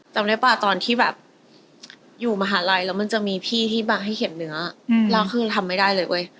จำได้ป่ะตอนที่แบบอยู่มหาลัยแล้วมันจะมีพี่ที่มาให้เข็มเนื้อแล้วคือทำไม่ได้เลยเว้ย